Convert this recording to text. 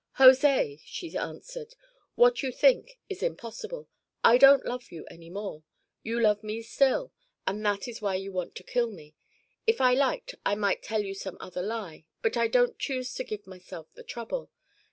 "José," she answered, "what you ask is impossible. I don't love you any more. You love me still and that is why you want to kill me. If I liked I might tell you some other lie, but I don't choose to give myself the trouble.